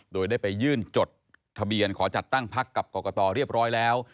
โดยได้ไปยื่นจดทะเบียนขอจัดตั้งพักกับกรกตเรียบร้อยแล้ว